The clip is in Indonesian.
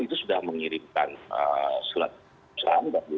itu sudah mengirimkan sulat perusahaan